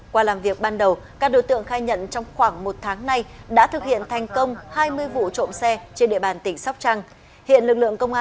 qua làm việc ban đầu các đối tượng khai nhận trong khoảng một tháng nay đã thực hiện thành công hai mươi vụ trộm xe trên địa bàn tỉnh sóc trăng